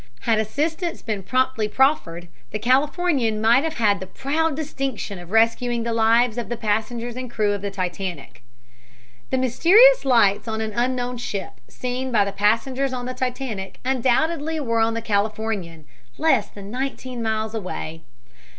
Had assistance been promptly proffered the Californian might have had the proud distinction of rescuing the lives of the passengers and crew of the Titanic. The mysterious lights on an unknown ship, seen by the passengers on the Titanic, undoubtedly were on the Californian, less than nineteen miles away.